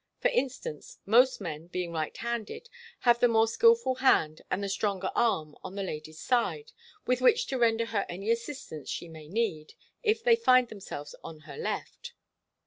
For instance, most men, being right handed, have the more skilful hand and the stronger arm on the lady's side, with which to render her any assistance she may need, if they find themselves on her left.